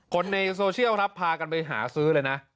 คนในโซเชียลครับพากันไปหาซื้อเลยนะ